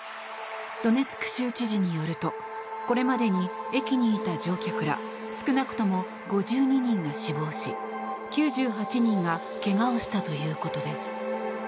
ドネツク州知事によるとこれまでに駅にいた乗客ら少なくとも５２人が死亡し９８人が怪我をしたということです。